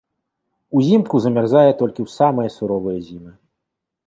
Узімку замярзае толькі ў самыя суровыя зімы.